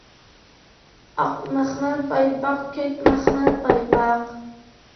ئاق مەخمەل پايپاق، كۆك مەخمەل پايپاق.